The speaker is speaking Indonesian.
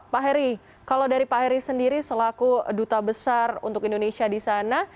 pak heri kalau dari pak heri sendiri selaku duta besar untuk indonesia di sana